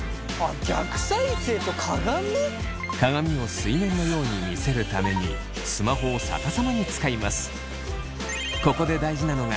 鏡を水面のように見せるためにスマホを逆さまに使います。